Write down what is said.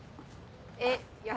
えっいや